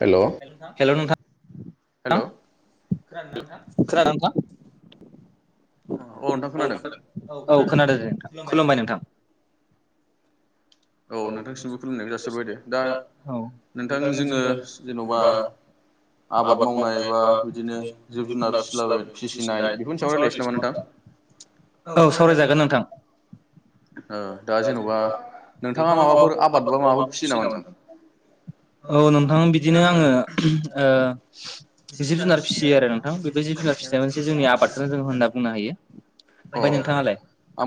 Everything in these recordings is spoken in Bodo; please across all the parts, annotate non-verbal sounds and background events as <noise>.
हेल' हेल' नोंथां हेल' नोंथां खोनादों नोंथां? औ नोंथां खोनादों औ औ खोनादों दे नोंथां खुलुमबाय नोंथां। औ नोंथांसिमबो खुलुमनायखौ जासिहरबाय दा औ नोंथां जोङो जेन'बा- आबाद मावनाय बा बिदिनो जिब-जुनार फिसिलाबाय फिसिनाय बेफोरनि सायाव रायलायसै नामा नोंथां औ सावरायजागोन नोंथां। ओ दा जेन'बा- नोंथाङा माबाफोर आबादखौ माबा खुसि नामा नोंथां? औ नोंथां बिदिनो आङो उम ओ- जिब-जुनार फिसियो आरो नोंथां बे जिब जुनार फिसिनाया मोनसे जोंनि आबादखौनो जों होनना बुंनो हायो। ओमफ्राय अ नोंथाङालाय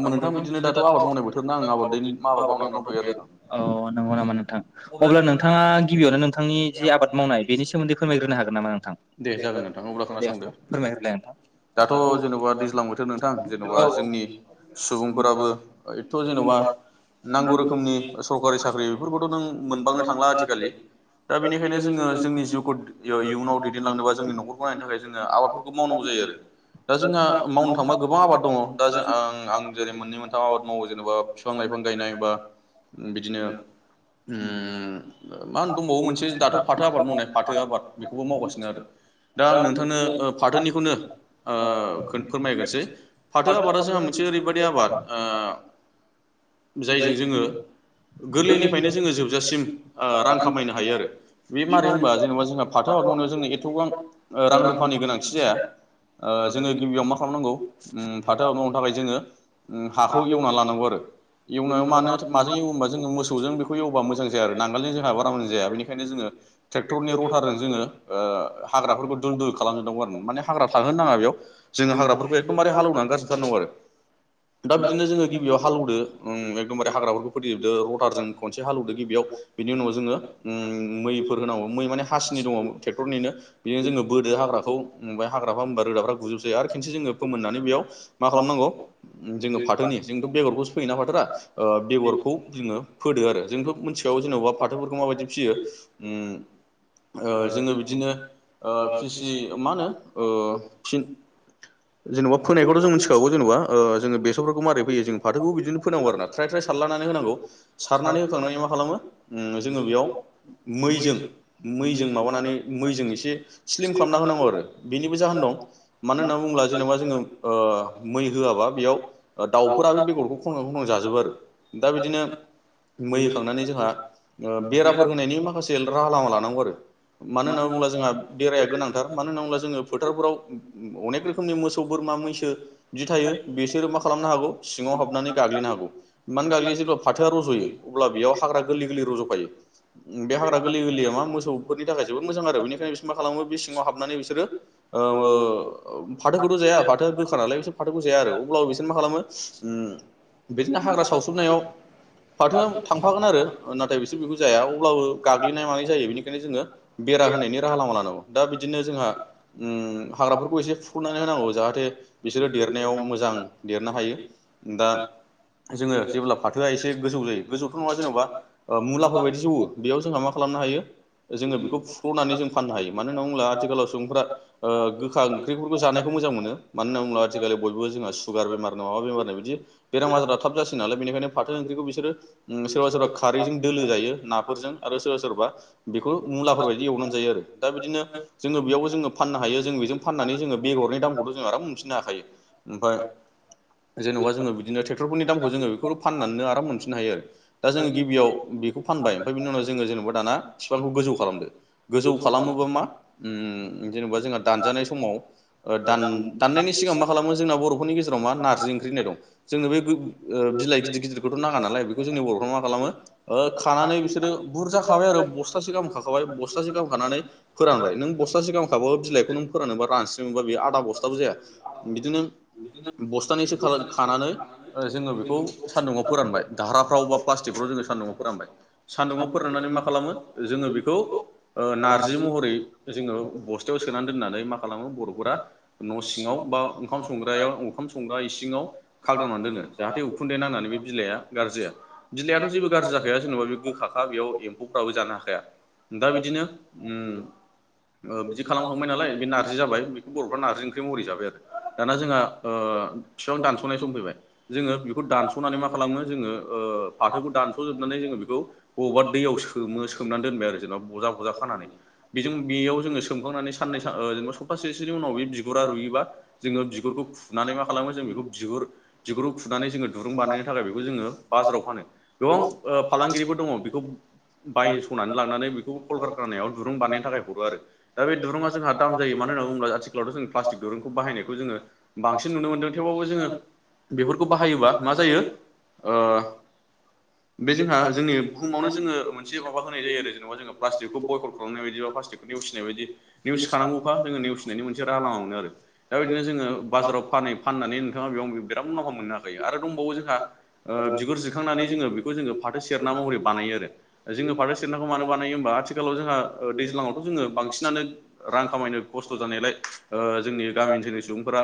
आंबो नोंथां बिदिनो दाथ' आबाद मावनाय बोथोरना आं आबादै मावनाय आबाद माब मावनानै दं। दंथ'यो औ आरो बे नोंथां औ नोंगौ नामा नोंथां अब्ला नोंथाङा गिबियावनो नोंथांनि जि आबाद मावनाय- एसे एनै फोरमायनो हागोन नामा नोंथां? दे जागोन नोंथां अब्ला खोनासंदो- दाथ' औ जेन'बा दैज्लां बोथोर नोंथां जेन'बा औ जोंनि सुबुंफोराबो थ जेन'बा नांगौ रोखोम सरकारि साख्रि बेफोरखौथ' नों मोनबांनो थांला आथिखालि- दा बेनिखायनो जोङो जोंनि जिउखौ इयु इयुनाव दैदेनलांनोबा जोंनि न'खरखौ नायनो थाखाय जोङो आबादफोरखौ बेखौ मावनांगौ जायो आरो। दा जोंहा मावनो थांबा गोबां आबाद दङ' दा जों आं आं जेरै मोन्नै मोनथाम आबाद मावो जेन'बा बिफां-लाइफां गायनाय बा बिदिनो ओम मा होन दंबावो मोनसे दाथ' फाथो आबाद मावनाय फाथो आबाद बेखौबो मावगासिनो आरो। दा आं नोंथांनो ओ फाथोनिखौनो ओ खोन फोरमायग्रोसै- फाथो आबादा जोंहा मोनसे ओरैबायादि आबाद ओ जायजों जोङो- गोरलैनिफ्रायनो जोङो जोबजासिम ओ रां खामायनो हायो आरो बे मारै होनबा जेनेबा जोंहा फाथो आबाद मावनायाव जोंनो एथ'बां ओ रां-रुफानि गोनांथि जाया। ओ जोङो गिबियाव मा खालामनांगौ उम फाथो आबाद मावनो थाखाय जोङो उम हाखौ एवना लानांगौ आरो एवनायाव मानो माजों एवो होनबा जोङो मोसौजों बेखौ एवोबा मोजां जाया आरो नांगोलजों जोंहा बारा मोजां जाया बेनिखायनो जोङो- टेक्टरनि रटारजों जोङो ओ हाग्राफोरखौ दुल-दुल खालामजुबनांगौ आरो माने हाग्रा थाहोनो नाङा बेयाव। जोङो हाग्राफोरखौ एखदमबारे हालेवनानै गारसोथारनांगौ आरो दा बिदिनो जोङो गिबियाव हालौदो उम एखदमबारे हाग्राफोरखौ फोथैजोबदो रटारजों खनसे हालौदो गिबियाव बिनि उनाव जोङो उम मैफोर होनांगौ मै माने हासिनि दङ' टेक्टरनिनो बेयो जोंनो बोदो हाग्राखौ ओमफ्राय हाग्राफ्रा होमबा रोदाफ्रा गुजोबसै आरो खेनसे जोङो फोमोननानै बेयाव मा खालामनांगौ उम जोङो फाथोनि जोंथ' बेगरखौसो फैयोना फाथोरा। ओ बेगरखौ जोङो फोदो आरो जोंथ' मोनथिखागौ जेन'बा फाथोफोरखौ माबायदि फियो उम ओ जोङो बिदिनो ओ फिसि माहोनो ओ फिन जेन'बा फोनायखौथ' जों मिन्थिखागौ जेन'बा ओ ओङो बेसरफोरखौ मारै फैयो जों फाथोखौबो बिदिनो फोनांगौ आरोना। फ्राय सारलानानै होनांगौ सारनानै होखांनानै मा खालामो उम जोङो बेयाव मैजों मैजों माबानानै मैजों एसे स्लिम खालामना होनांगौ बेनिबो जाहोन दं मानो होनना बुङोब्ला जेनेबा जोङो मै ओ होआबा बेयाव दाउफोरा बेगरखौ खनखां खनखां जाजोबो आरो दा बिदिनो मै होखांनानै जोंहा ओ बेराफोर होनायनि माखासे राहा लामा लानांगौ आरो। मानो होनना बुङोब्ला जोंहा बेरायाया गोनांथार मानो होनना बुङोब्ला जोङो फोथारफोराव अनेक रोखोमनि मोसौ बोरमा मैसो जि थायो बिसोरो मा खालामनो हागौ सिङाव हाबनानै गाग्लिनो हागौ। मानो गाग्लियो जेब्ला फाथोआ रज'यो अब्ला बेयाव हाग्रा गोरलै गोरलै रज'फायो बे हाग्रा गोरलै गोरलैया मा मोसौ फोरनि थाखाय जोबोद मोजां आरो बेनिखायनो बिसोरो मा खालामो बे सिङाव हाबनानै बिसोरो ओ औ फाथोखौथ' जाया फाथो गोखा नालाय बिसोर फाथोखौ जाया आरो अब्लाबो बिसोर मा खालामो <unintelligible> सावसोमनायाव। फाथोआ थांफागोन आरो नाथाय बिसोर बेखौ जाया अब्लाबो गाग्लिनाय मानाय जायो बेनिखायनो जोङो बेरा होनायनि राहा लामा लानांगौ दा बिदिनो जोंहा उम हाग्राफोरखौ एसे फुनानै होनांगौ जाहाथे बिसोरो देरनायाव मोजां देरनो हायो दा जोङो जेब्ला फाथोआ एसे गोजौ जायो गोजौथ' नङा जेनेबा ओ मुलाफोर बायदि जौवो बेयाव जोंहा मा खालामनो हायो। जोङो बेखौ फुख्ल'नानै जों फाननो हायो मानो होनना बुङोब्ला आथिखालाव सुबुंफ्रा ओ ओंख्रिफोरखौ जानायखौ मोजां मोनो। मानो होनना बुङोब्ला आथिखालै बयबो जोंहा सुगार बेमार माबा बेमार बिदि बेराम आजाराथ' थिनालाय बेनिखायनो फाथो ओंख्रिखौ बिसोरो उम सोरबा सोरबा खारैजों दोलो जायो नाफोरजों आरो सोरबा सोरबा बेखौ मुलाफोर बायदि एवनानै जायो आरो दा बिदिनो जोङो बेयावबो जोङो फाननो हायो जों बेजों फाननानै जोङो बेगरनि दामखौथ' जों आराम मोनफिननो हाखायो। ओमफाय जेन'बा जोङो बिदिनो टेक फुनि दामखौ जोङो बेखौ फाननानै आराम मोनफिननो हायो आरो दा जोङो गिबियाव बेखौ फानबाय ओमफाय बिनि उनाव जोङो जेन'बा दाना फिफांखौ गोजौ खालामदो गोजौ खालामोबा मा उम जेन'बा जोंहा दानजानाय समाव ओ दान-दाननायनि सिगां मा खालामो जोंना बर'फोरनि गेजेराव मा नारजि ओंख्रि होननाय दं जोंनो बै ओ बिलाइ गिदिर गिदिरखौथ' नाङा नालाय बेखौ जोंनि बर'फ्रा मा खालामो। ओ खानानै बिसोरो बुरजा खाबाय आरो बस्थासे गाहाम खाखाबाय बस्थासे गाहाम खानानै फोरानबाय नों बस्थासे गाहामखाबो बिलाइखौ नों फोरानोबा रान दोंबा बेयो आदा बस्थाबो जाया बिदिनो बस्थानैसो खाला खानानै ओ जोङो बेखौ सान्दुुंआव फोरानबाय दाराफ्राव बा प्लास्टिकफ्राव जोङो सान्दुङाव फोरानबाय। सान्दुङाव फोराननानै मा खालामो जोङो बेखौ ओ नार्जि महरै जोङो बस्थायाव सोनानै दोननानै मा खालामो बर'फोरा न' सिङाव बा ओंखाम संग्रायाव ओंखाम संग्रा इसिङाव खादावनानै दोनो। जाहाथे उखुन्दै नांनानै बे बिलाइया गारजि जाया। बिलाइआथ' जेबो गारजि जाखाया जेन'बा बे गखाखा बेयाव एम्फौफ्राबो जानो हाखाया। दा बिदिनो उम ओ बिदि खालामखांबाय नालाय बे नारजि जाबाय बेखौ बर'फ्रा नारजि ओंख्रि महरै जाबाय आरो दाना जोंहा ओ फिफां दानस'नाय सम फैबाय। जोङो बेखौ दानस'नानै मा खालामो जोङो ओ फाथोखौ दानस'जोबनानै जोङो बेखौ बबावबा दैयाव सोमो सोमनानै दोनबाय आरो जेनेबा बजा बजा खानानै। बेजों बेयाव जोङो सोमखांनानै सान्नै सा ओ सप्तासे सोनि उनाव बे बिगुरा रुयोबा जोङो बिगुरखौ खुनानै मा खालामो जों बेखौ बिगुर बिगुरखौ खुनानै जोङो दुरुं बानायनो थाखाय बेखौ जोङो बाजाराव फानो। गोबां फालांगिरिफोर दङ बेखौ बायस'नानै लांनानै बेखौ कलखारखानायाव दुरुं बानायनो थाखाय हगारो। दा बे दुरुङा जोंहा दाम जायो मानो होनना बुङोब्ला स्कुलावथ' जों प्लास्टिक दुरुंखौ बाहायनायखौ जोङो बांसिन नुनो मोन्दों थेवबाबो जोङो बेफोरखौ बाहायोबा मा जायो ओ बे जोंहा जोंनि बुहुमावनो जोङो मोनसे माबा होनाय जायो आरो जेनबा जोङो प्लास्टिकखौ बयकत खालामनाय बायदिबा प्लास्टिक नेवसिनाय बायदि नेवसि खानांगौखा जोंङो नेवसिनायनि मोनसे राहालामा मोनो आरो दा बिदिनो जोङो बाजाराव फानै फाननानै नोंथाङा बेयाव <unintelligible> मुलाम्फा मोननो हाखायो आरो दंबावो जोंहा बिगुर जिरखांनानै जोङो बेखौ जोङो फाथो सेरना महरै बानायो आरो। जोङो फाथो सेटनाखौ मानो बानायो होमबा आथिखालाव जोंहा दैज्लांङावथ' जोङो बांसिनानो रां खामायनो खस्थ' जानायलाय ओ जोंनि गामि ओनसोलनि सुबुंफोरा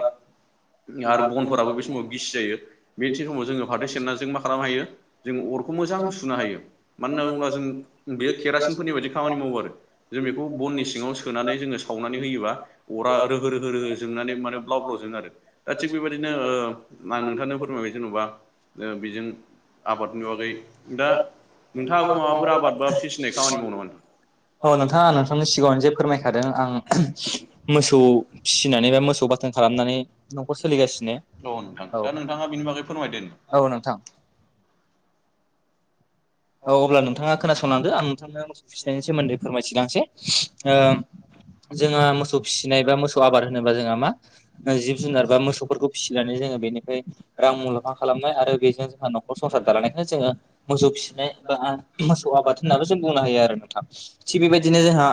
आरो बनफोराबो बे समाव गिसि जायो बे थि समाव जोङो फाथो सेरना जों मा खालामनो हायो जों अरखौ मोजां सुनो हायो। मानो होनना बुङोब्ला जों बेयो केरासिनफोरनि बायदि खामानि मावो आरो जों बेखौ बननि सिङाव सोनानै जोङो खावनानै होयोबा अरा रोहो रोहो रोहो जोंनानै मानो ब्लाव ब्लाव जोङो आरो दा थिग बेबायदिनो ओ मा नोंथांनो फोरमायबाय जेन'बा ओ बेजों आबादनि बागै दा नोंथाङाबो माबाफोर आबाद बा फिसिनाय खामानि मावो नामा नोंथां? औ नोंथां आं नोंथांनि सिगाङावनो जे फोरमायखादों आं मोसौ फिसिनानै बा मोसौ बाथोन खालामनानै न'खर सोलिगासिनो। औ नोंथां दा नोंथाङा बिनि बागै फोरमायदो। औ नोंथां। औ अब्ला नोंथाङा खोनासंलांदो आं नोंथांनो मोसौ फिसिनायनि सोमोन्दै फोरमायथिलांसै। जोंहा मोसौ फिसिनाय बा मोसौ आबाद होनोबा जोंहा मा जिब जुनार बा मोसौफोरखौ फिसिनानै जोङो बेनि बे रां मुलाम्फा खालामनाय आरो बेजों जोंहा न'खर संसार दालांनायखौनो जोङो मोसौ फिसिनाय बा आं मोसौ आबाद होननाबो जों बुंनो हायो आरो नोंथां थिग बेबायदिनो जोंहा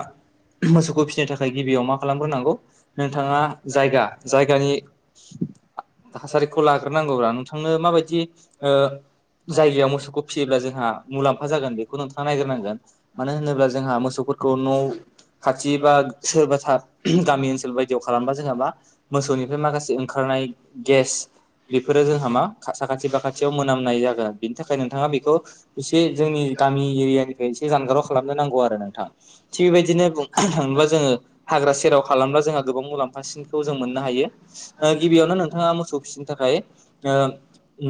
मोसौखौ फिनो थाखाय गिबियाव मा खालामग्रोनांगौ नोंथाङा जायगा जायगानि थासारिखौ लाग्रोनांगौब्रा नोंथांनो माबायदि ओ जायगायाव मोसौखौ फिसियोब्ला जोंहा मुलामफा जागोन बेखौ नोंथाङा नायग्रोनांगोन मानो होनोब्ला जोंहा मोसौफोरखौ न' खाथि बा सोरबाथा गामि ओनसोल बायदियाव खालामबा जोंहा मा मोसौनिफ्राय माखासे ओंखारनाय गेस बेफोरो जोंहा मा साखाथि फाखाथियाव मोनामनाय जागोन बिनि थाखाय नोंथाङा बेखौ इसे जोंनि गामि एरियानिफ्राय एसे जानगाराव खालामनो नांगौ आरो नोंथां थिग बेबायदिनो बुं थांङोब्ला जोङो हाग्रा सेराव खालामब्ला जोंहा गोबां मुलाम्फासिनखौ जों मोननो हायो। ओ गिबियावनो नोंथाङा मोसौ फिसिनो थाखाय ओ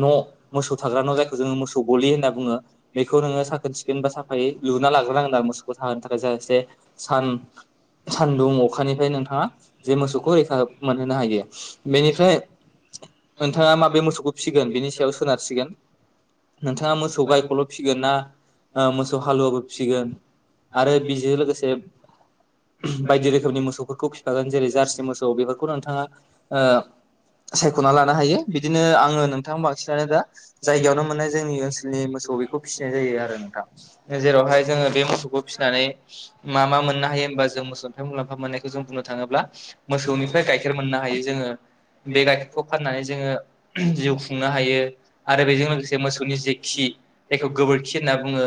न' मोसौ थाग्रा न' जायखौ जोङो मोसौ गलि होनना बुङो। बेखौ नोङो साखोन सिखोन बा साफायै लुना लाग्रोनांगोन आरो मोसौखौ थाहोनो थाखाय जाएसे सान सान्दुं अखानिफ्राय नोंथाङा जे मोसौखौ रैखा मोनहोनो हायो बेनिफ्राय नोंथाङा माबे मोसौखौ फिसिगोन बेनि सायाव सोनारसिगोन नोंथाङा मोसौ गायखौल' फिसिगोन ना ओ मोसौ हालुवाबो फिसिगोन आरो बेजों लोगोसे बायदि रोखोमनि मोसौफोरखौ फिफागोन जेरै जार्सि मोसौ बेफोरखौ नोंथाङा ओ सायख'ना लानो हायो बिदिनो आङो नोंथां बांसिनानो दा जायगायावनो मोननाय जोंनि ओनसोलनि मोसौ बे खौ फिसिनाय जायो आरो नोंथां जेरावहाय जोङो बे मोसौखौ फिसिनानै मा मा मोननो हायो होनबा जों मोसौ मुलाम्फा मोननायखौ जों बुंनो थाङोब्ला मोसौनिफ्राय गाइखेर मोननो हायो जोङो। बे गाइखेरखौ फाननानै जोङो जिउ खुंनो हायो आरो बेजों लोगोसे मोसौनि जे खि जायखौ गोबोरखि होनना बुङो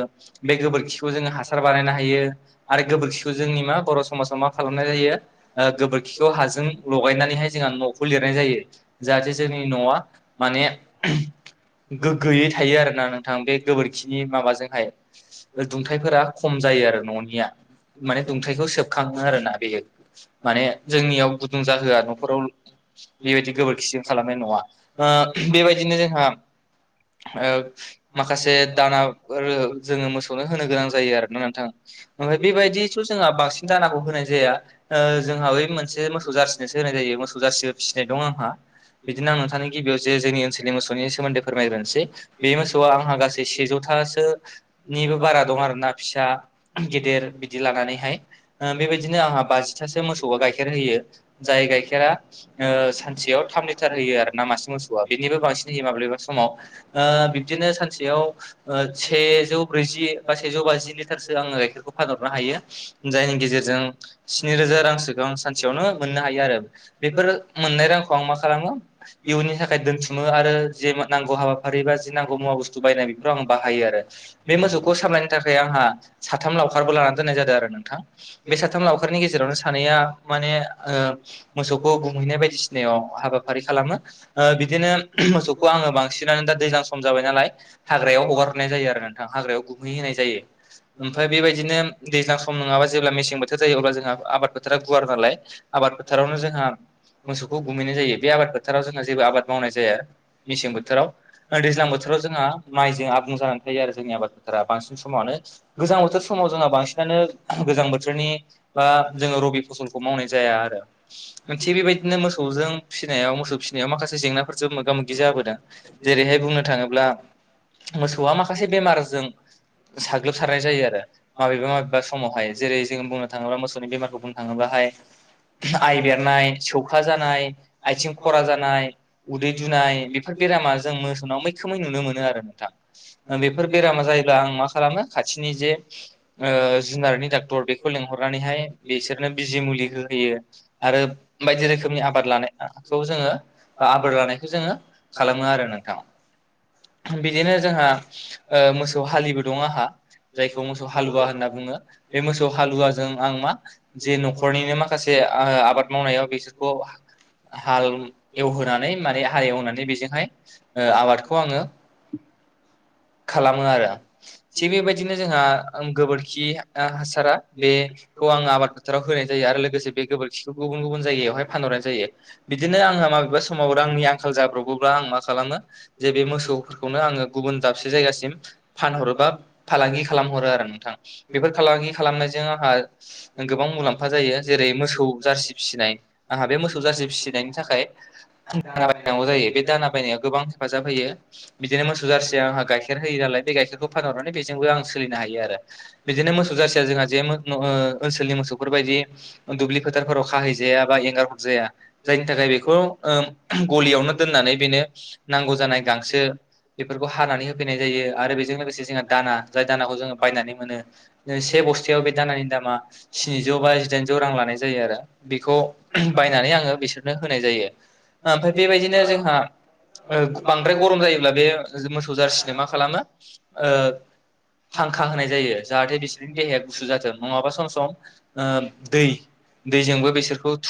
बे गोबोरखिखौ जोङो हासार बानायनो हायो आरो गोबोरखिखौ जोंनि मा बर' स समाजाव मा खालामनाय जायो ओ गोबोरखिखौ हाजों लगायनानैहाय जोंहा न'खौ लिरनाय जायो। जाहाथे जोंनि न'आ माने गोग्गोयै थायो आरोना नोंथां बे गोबोरखिनि माबाजोंहाय दुंथाइफोरा खम जायो आरो न'निया। माने दुंथाइखौ सोबखाङो आरो ना बेयो माने जोंनियाव गुदुं जाहोआ न'खराव बेबायदि गोबोरखिजों खालामनाय न'वा ओ बेबायदिनो जोंहा ओ माखासे दाना <unintelligible> जोङो मोसौनो होनो गोनां जायो आरोना नोंथां ओमफ्राय बेबायदिथ' जोंहा बांसिन दानाखौ होनाय जाया ओ जोंहा बै मोनसे मोसौ जारसि सो होनाय जायो मोसौ जारसिबो फिसिनाय दं आंहा बिदिनो आं नोंथांनो गिबियाव जे जोंनि ओनसोलनि मोसौनि सोमोन्दै फोरमायग्रोनोसै बे मोसौआ आंहा गासै सेजौथासोनिबो बारा दं आरोना फिसा गेदेर बिदि लानानैहाय ओ बेबायदिनो आंहा बाजिथासो मोसौआ गाइखेर होयो जाय गाइखेरा ओ सानसेयाव थाम लिटार होयो आरो ना मासे मोसौआ बेनिबो बांसिन होयो माब्लाबा समाव ओ बिबदिनो सा सेयाव ओ सेजौ ब्रैजि बा सेजौ बाजि लिटारसो आङो गाइखेरखौ फानहरनो हायो जायनि गेजेरजों स्नि रोजा रांसोखौ आं सानसेयावनो मोननो हायो आरो बेफोरो मोननाय रांखौ आं मा खालामो इयुननि थाखाय दोनथुमो आरो जे नांगौ हाबाफारि बा जे नांगौ मुवा बुसथु बायनाय बेफोराव आं बाहायो आरो बे मोसौखौ सामलायनो थाखाय आंहा साथाम लावखारबो लानानै दोननाय जादों आरो नोंथां बे साथाम लावखारनि गेजेरावनो सानैया माने ओ मोसौखौ गुमहैनाय बायदिसिना आयदायाव हाबाफारि खालामो ओ बिदिनो मोसौखौ आङो बांसिन <unintelligible> हाग्रायाव हगारहरनाय जायो आरो नोंथां हाग्रायाव गुमहै होनाय जायो ओमफ्राय बेबायदिनो दैज्लां सम नङाबा जेब्ला मेसें बोथोर जायो अब्ला जोंहा आबाद बोथोरा गुवार नालाय आबाद फोथारावनो जोंहा मोसौखौ गुमहैनाय जायो बे आबाद फोथाराव जोंहा जेबो आबाद मावनाय जाया मेसें बोथोराव देज्लां बोथोराव जों जोंहा माइजों आबुं जानानै थायो आरो जोंनि आबाद फोथारा बांसिन समावनो गोजां बोथोर समाव जोंहा बांसिनानो गोजां बोथोरनि बा जोङो रबि फसलखौ मावनाय जाया आरो थिग बेबायदिनो मोसौजों फिसिनायाव मोसौ फिसिनायाव माखासे जेंनाफोरजों मोगा मोगि जाबोदों जेरैहाय बुंनो थाङोब्ला मोसौआ माखासे बेमारजों साग्लोबसारनाय जायो आरो माबेबा माबेबा समावहाय जेरै जोङो बुंनो थाङोब्ला मोसौनि बेमारखौ बुं थाङोबा हाय। आइ बेरनाय, सौखा जानाय, आथिं खरा जानाय, उदै दुनाय बे फोर बेरामा जों मोसौनाव मैखोमै नुनो मोन नो आरो नोंथां बेफोर बेरामा जायोब्ला आं मा खालामो खाथिनि जे ओ जुनारनि डाक्टर बेखौ लेंहरनानैहाय बिसोरनो बिजि मुलि होहोयो। आरो बायदि रोखोमनि आबोर लानायखौ जोङो आबोर लानायखौ जोङो खालामो आरो नोंथां। बिदिनो जोंहा ओ मोसौ हालिबो दं आहा। जायखौ मोसौ हालुवा होनना बुङो बे मोसौ हालुवाजों आं मा जे न'खरनिनो माखा खासे आ-आबाद मावनायाव बिसोरखौ हाल एवहोनानै माने हाल एवनानै बेजोंहाय ओ आबादखौ आङो <inaudible> <inaudible> खालामो आरो। थिग बेबायदिनो जोंहा गोबोरखि ओ हासारा बे खौ आंङो आबाद फोथाराव होनाय जायो आरो लोगोसे बे गोबोरखिखौ गुबुन गुबुन जायगायावहाय फानहरनाय जायो। बिदिनो आंहा माबेबा समाव आंनि आंखाल जाब्र'बोब्ला आं मा खालामो जे बे मोसौ खौनो आङो गुबन दाब से जायगासिम फानहरोबा फालांगि खालामहरो आरो नोंथां। बेफोर फालांगि खालामनायजों आंहा गोबां मुलाम्फा जायो। जेरै- मोसौ जारसि फिसिनाय। आंहा बे मोसौ जारसि फिसिनायनि थाखाय दाना बायनांगौ जायो बे दाना बायनायाव गोबां हेफाजाब होयो बिदिनो मोसौ जारसिया आंहा गाइखेर होयो नालाय बे गाइखेरखौ फानहरनानै बेजोंबो आं सोलिनो हायो आरो। बिदिनो मोसौ जारसिया जोंहा जे मो न ओ ओनसोलनि मोसौफोर बायदि दुब्लि फोथारफोराव खाहैजाया बा एंगार हरजाया। जायनि थाखाय बेखौ ओ गलियावनो दोननानै बेनो नांगौ जानाय गांसो बेफोरखौ हानानै होफैनाय जायो आरो बेजों लोगोसे जोंहा दाना जाय दानाखौ जोङो बायनानै मोनो। से बस्थायाव बे दानानि दामा स्निजौ बा जिदाइनजौ रां लानाय जायो आरो। बेखौ ओहोम बायनानै आङो बिसोरनो होनाय जायो। ओ ओमफ्राय बेबायदिनो जोंहा ओ बांद्राय गरम जायोब्ला बे मोसौ जाारसिनो मा खालामो ओ थांखां होनाय जायो। जाहाथे बिसोरनि देहाया गुसु जाथों नङाबा सम सम ओ दै दैजोंबो बिसोरखौ